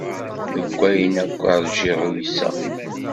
Deg wayen akk rǧiɣ uyseɣ.